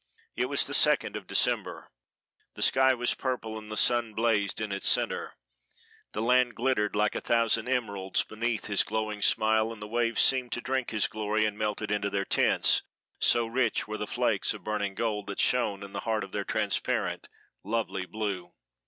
It was the second of December. The sky was purple and the sun blazed in its center. The land glittered like a thousand emeralds beneath his glowing smile, and the waves seemed to drink his glory and melt it into their tints, so rich were the flakes of burning gold that shone in the heart of their transparent, lovely blue.